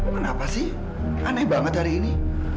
kenapa sih aneh banget hari ini